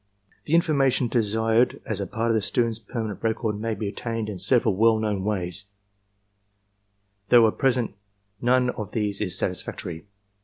*' The information desired as a part of the student's perma nent record may be obtained in several well known ways; though at present none of these is satisfactory.